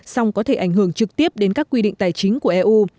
song có thể ảnh hưởng trực tiếp đến các quy định tài chính của eu